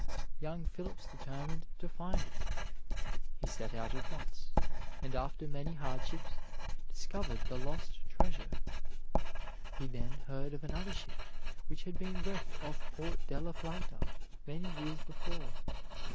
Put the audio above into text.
Young Phipps determined to find it. He set out at once, and, after many hardships, discovered the lost treasure. He then heard of another ship, which had been wrecked off Port De La Plata many years before.